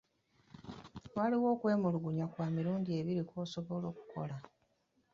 Waliwo okwemulugunya kwa mirundi ebiri kw'osobola okukola.